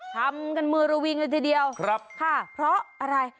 ทำกันมือระวิงเลยทีเดียวครับค่ะเพราะอะไร